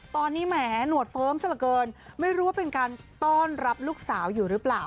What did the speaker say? ตอนนี้แหมหนวดเฟิร์มซะละเกินไม่รู้ว่าเป็นการต้อนรับลูกสาวอยู่หรือเปล่า